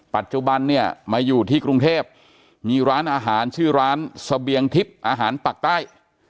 ปัจจุบันเนี่ยมาอยู่ที่กรุงเทพมีร้านอาหารชื่อร้านเสบียงทิพย์อาหารปากใต้